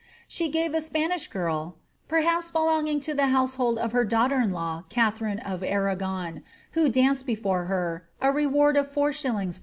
She gave a Spanish girl (perhaps belonging to the household of her daughter in law, Katharine of Arragon), who danced before her, a reward of is.